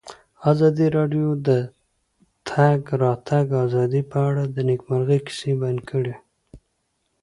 ازادي راډیو د د تګ راتګ ازادي په اړه د نېکمرغۍ کیسې بیان کړې.